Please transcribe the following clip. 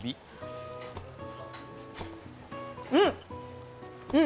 うん！